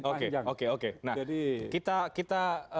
panjang oke oke jadi kita